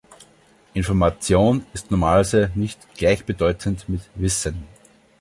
Information ist normalerweise nicht gleichbedeutend mit "Wissen".